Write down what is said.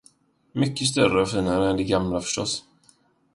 Mycket större och finare än den gamla förstås.